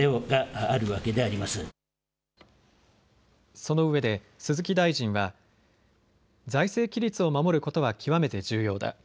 そのうえで鈴木大臣は財政規律を守ることは極めて重要だ。